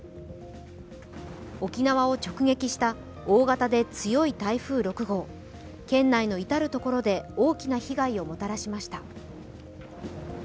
沖縄を直撃した大型で強い台風６号県内の至るところで大きな被害をもたらしました。